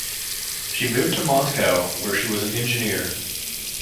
She moved to Moscow where she was an engineer.